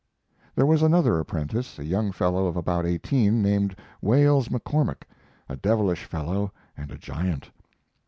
There was another apprentice, a young fellow of about eighteen, named Wales McCormick, a devilish fellow and a giant.